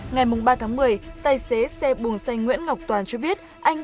ngày ba tháng một mươi tài xế xe buồng xanh nguyễn ngọc toàn cho biết